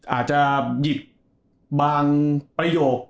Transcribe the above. อาจจะหยิบบางประโยค